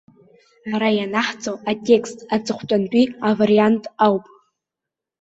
Ара ианаҳҵо атекст аҵыхәтәантәи авариант ауп.